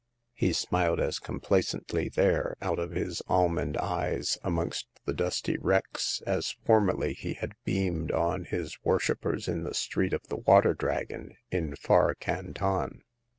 He smiled as complacently there, out of his almond eyes, amongst the dusty wrecks as formerly he had beamed on his worshipers in the Street of the Water Dragon in far Canton.